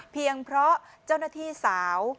เพียงเพราะเจ้าหน้าที่สาว